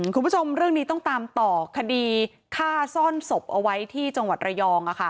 คุณผู้ชมเรื่องนี้ต้องตามต่อคดีฆ่าซ่อนศพเอาไว้ที่จังหวัดระยอง